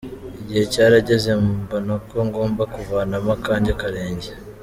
Igihe cyarageze mbona ko ngomba kuvanamo akanjye karenge”.